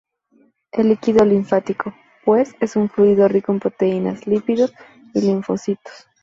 El líquido linfático, pues, es un fluido rico en proteínas, lípidos y linfocitos.